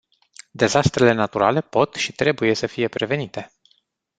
Dezastrele naturale pot și trebuie să fie prevenite.